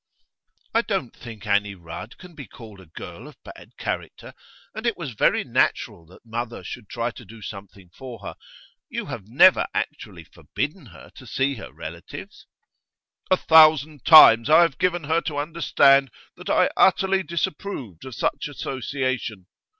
'I don't think Annie Rudd can be called a girl of bad character, and it was very natural that mother should try to do something for her. You have never actually forbidden her to see her relatives.' 'A thousand times I have given her to understand that I utterly disapproved of such association.